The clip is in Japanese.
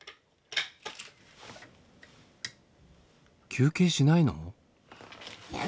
休憩しないの？